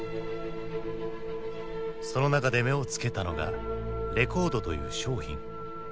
その中で目を付けたのがレコードという商品。